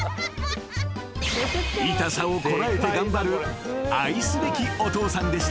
［痛さをこらえて頑張る愛すべきお父さんでした］